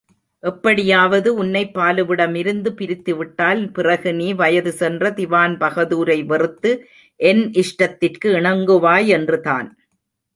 எப்படியாவது உன்னை பாலுவிடமிருந்து பிரித்துவிட்டால், பிறகு.. நீ வயது சென்ற திவான்பகதூரை வெறுத்து என் இஷ்டத்திற்கு இணங்குவாயென்றுதான்.